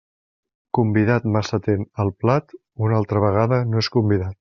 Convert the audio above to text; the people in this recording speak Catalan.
Convidat massa atent al plat, una altra vegada no és convidat.